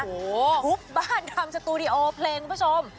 ทุบบ้านทำสตูดิโอเพลงคุณผู้ชม